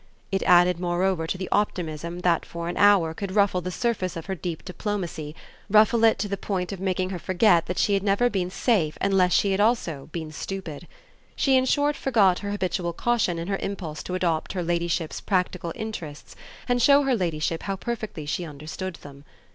It added moreover to the optimism that for an hour could ruffle the surface of her deep diplomacy, ruffle it to the point of making her forget that she had never been safe unless she had also been stupid. She in short forgot her habitual caution in her impulse to adopt her ladyship's practical interests and show her ladyship how perfectly she understood them.